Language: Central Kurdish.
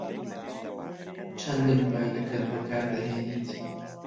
چەندە مۆبایلەکەت بەکار دەهێنیت؟